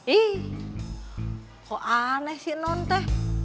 ih kok aneh si nonte